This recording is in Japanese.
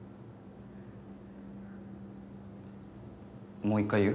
もう一回言う？